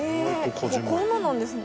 こんななんですね。